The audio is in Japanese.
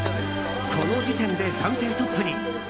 この時点で暫定トップに。